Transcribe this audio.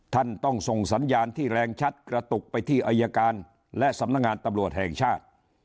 ท่านต้องส่งสัญญาณที่แรงชัดกระตุกไปที่อายการและสำนักงานตำรวจแห่งชาติ